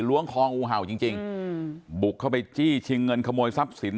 คองูเห่าจริงจริงอืมบุกเข้าไปจี้ชิงเงินขโมยทรัพย์สิน